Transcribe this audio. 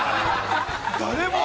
誰も。